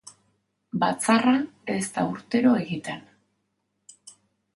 Batzarra ez da urtero egiten.